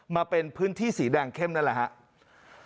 มาเป็นพื้นที่สีแดงเข้มนั่นแหละครับ